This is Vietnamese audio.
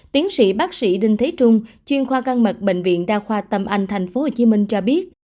tiến sĩ bác sĩ đinh thế trung chuyên khoa găng mật bệnh viện đa khoa tâm anh tp hcm cho biết